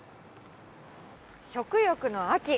食欲の秋。